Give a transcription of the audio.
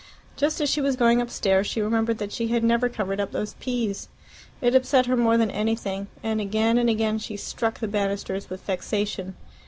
Just as she was going upstairs she remembered that she never covered up those peas. It upset her more than anything, and again and again she struck the banisters with vexation.